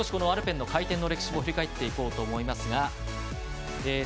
アルペンの回転の歴史を振り返っていこうと思います。